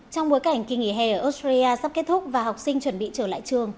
trong bối cảnh kỳ nghỉ hè ở australia sắp kết thúc và học sinh chuẩn bị trở lại trường